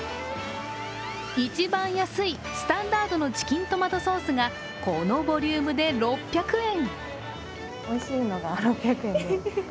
一番安いスタンダードのチキントマトソースがこのボリュームで６００円。